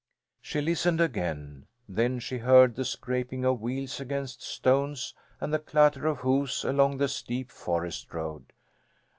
She listened again. Then she heard the scraping of wheels against stones and the clatter of hoofs along the steep forest road.